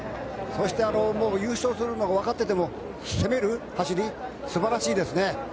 そして優勝するのがわかっていても攻める走り素晴らしいですね。